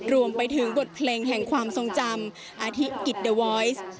รวมไปถึงบทเพลงแห่งความทรงจำอาทิกิจเดอร์วอยซ์